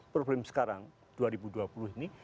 problem sekarang dua ribu dua puluh ini